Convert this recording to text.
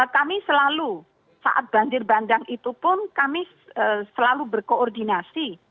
kami selalu saat banjir bandang itu pun kami selalu berkoordinasi